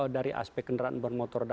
dari aspek kendaraan bermotor